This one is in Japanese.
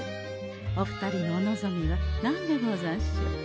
お二人のお望みは何でござんしょう？